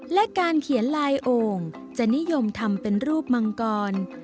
และการเขียนลายโอ่งจะนิยมทำเป็นรูปมังกร